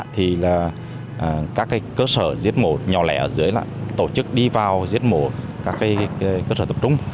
thì là các cơ sở giết mổ nhỏ lẻ ở dưới là tổ chức đi vào giết mổ các cơ sở tập trung